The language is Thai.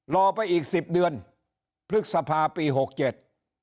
รอไปอีกสิบเดือนพฤษภาปีหกเจ็ด